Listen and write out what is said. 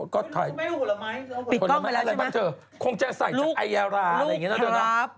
ลูกพรับอะไรมาจากเกาหลีหรือเปล่า